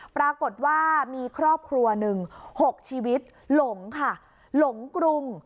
ปรากฏว่ามีครอบครัวหนึ่งหกชีวิตหลงค่ะหลงกรุง